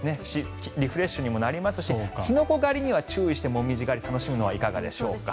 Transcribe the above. リフレッシュにもなりますしキノコ狩りには注意して紅葉狩りを楽しむのはいかがでしょうか。